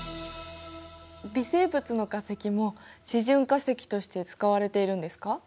微生物の化石も示準化石として使われているんですか？